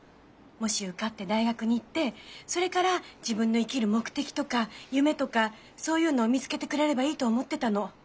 もし受かって大学に行ってそれから自分の生きる目的とか夢とかそういうのを見つけてくれればいいと思ってたの。